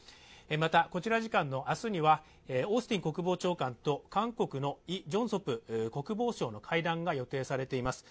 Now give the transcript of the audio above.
また、こちら時間の明日には、オースティン国防長官と韓国のイ・ジョンソプ国防長官の会談が予定されています。